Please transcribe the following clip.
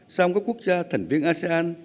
song các quốc gia thành viên asean